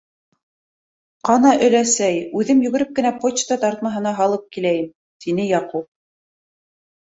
- Ҡана, өләсәй, үҙем йүгереп кенә почта тартмаһына һалып киләйем, - тине Яҡуп.